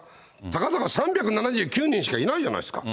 たかだか３７９人しかいないじゃないですか。